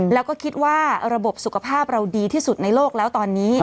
แล้วก็คิดว่าระบบสุขภาพเราดีที่สุดในโลกแล้วตอนนี้